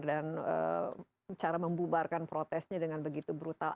dan cara membubarkan protesnya dengan begitu brutal